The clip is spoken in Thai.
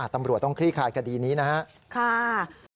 ตำรวจต้องคลี่คลายคดีนี้นะครับ